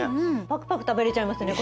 パクパクたべれちゃいますね